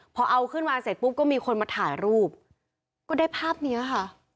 พอเอาขึ้นมาเสร็จปุ๊บก็มีคนมาถ่ายรูปก็ได้ภาพนี้ค่ะ